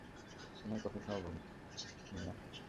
তোমার কফি খাও, মিয়া।